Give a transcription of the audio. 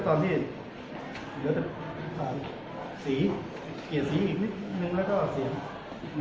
ตอนนี้เหลือแต่สีเกียรติสีอีกนิดนึงแล้วก็เสียง